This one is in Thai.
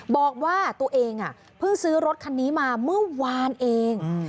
บอกว่าตัวเองเพิ่งซื้อรถคันนี้มาเมื่อวานเอง